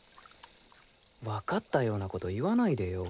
わかったような事言わないでよ。